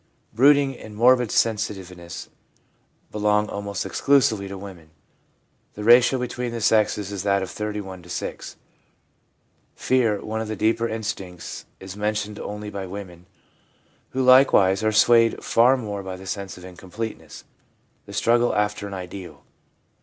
Brooding and morbid sensitiveness belong almost exclusively to women — the ratio between the sexes is that of 31 to 6. Fear, one of the deeper instincts, is men tioned only by women, who likewise are swayed far more by the sense of incompleteness, the struggle after an ideal.